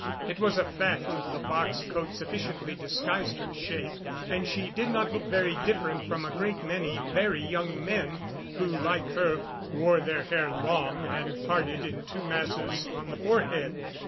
It was a fact the box coat sufficiently disguised her shape, and she did not look very different from a great many very young men, who, like her, wore their hair long and parted in two masses on the forehead.